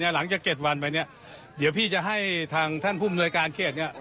หลังจาก๗วันไปเดี๋ยวพี่จะให้ท่านผู้มนุยการเขต